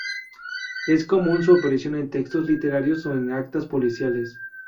Es común su aparición en textos literarios o en actas policiales.